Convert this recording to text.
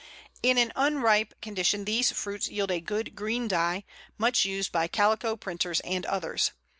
In an unripe condition these fruits yield a good green dye, much used by calico printers and others.